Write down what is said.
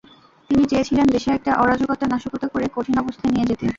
তিনি চেয়েছিলেন দেশে একটা অরাজকতা, নাশকতা করে কঠিন অবস্থায় নিয়ে যেতে।